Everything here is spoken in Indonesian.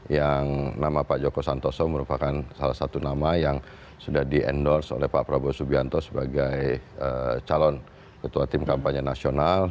yang nama pak joko santoso merupakan salah satu nama yang sudah di endorse oleh pak prabowo subianto sebagai calon ketua tim kampanye nasional